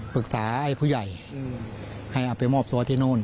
ไอ้ผู้ใหญ่ให้เอาไปมอบตัวที่โน่น